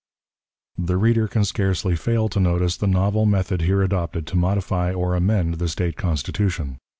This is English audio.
The reader can scarcely fail to notice the novel method here adopted to modify or amend the State Constitution.